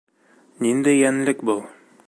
Ниндәй йәнлек был?